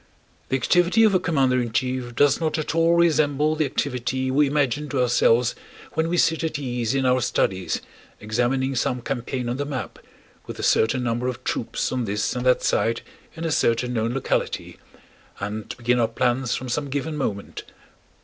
The activity of a commander in chief does not at all resemble the activity we imagine to ourselves when we sit at ease in our studies examining some campaign on the map, with a certain number of troops on this and that side in a certain known locality, and begin our plans from some given moment.